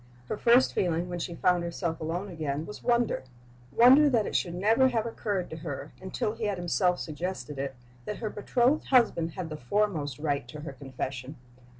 Her first feeling, when she found herself alone again, was wonder wonder that it should never have occurred to her, until he had himself suggested it, that her betrothed husband had the foremost right to her confession.